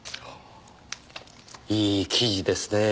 いい生地ですねえ。